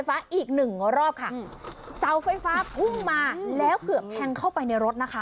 อีกหนึ่งรอบค่ะเสาไฟฟ้าพุ่งมาแล้วเกือบแทงเข้าไปในรถนะคะ